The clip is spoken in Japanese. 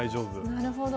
なるほど。